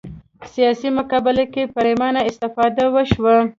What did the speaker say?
سیاسي مقابله کې پرېمانه استفاده وشوه